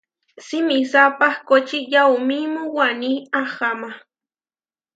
Simisá pahkóči yaumímu waní aháma.